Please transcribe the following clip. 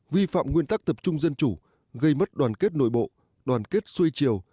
bốn vi phạm nguyên tắc tập trung dân chủ gây mất đoàn kết nội bộ đoàn kết xuôi chiều